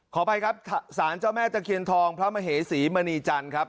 ขออภัยครับสารเจ้าแม่ตะเคียนทองพระมเหสีมณีจันทร์ครับ